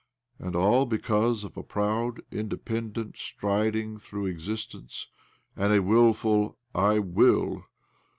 And all because of a proud, inde pendent striding through existence and a wil ful ' I will